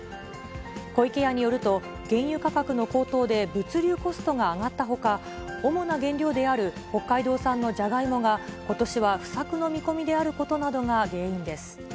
湖池屋によると、原油価格の高騰で物流コストが上がったほか、主な原料である北海道産のじゃがいもが、ことしは不作の見込みであることなどが原因です。